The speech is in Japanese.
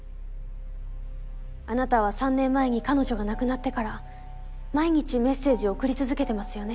あなたは３年前に彼女が亡くなってから毎日メッセージを送り続けてますよね？